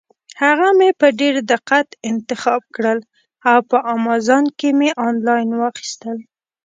هغه مې په ډېر دقت انتخاب کړل او په امازان کې مې انلاین واخیستل.